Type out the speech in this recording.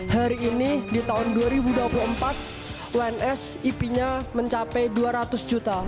hari ini di tahun dua ribu dua puluh empat uns ip nya mencapai dua ratus juta